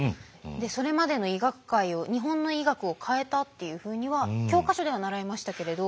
それまでの医学界を日本の医学を変えたっていうふうには教科書では習いましたけれど。